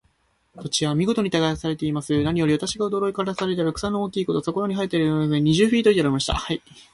土地は見事に耕されていますが、何より私を驚かしたのは、草の大きいことです。そこらに生えている草の高さが、二十フィート以上ありました。